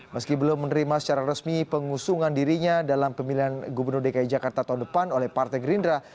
meski belum menerima secara resmi pengusungan dirinya dalam pemilihan gubernur dki jakarta tahun depan oleh partai gerindra